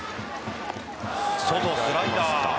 外、スライダー。